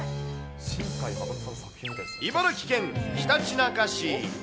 茨城県ひたちなか市。